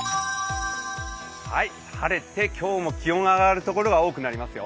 晴れて今日も気温が上がる所が多くなりますよ。